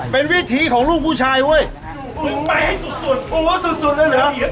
เป็นวิถีของลูกผู้ชายเว้ยมึงไปให้สุดสุดโอ้สุดสุดเลยเหรอ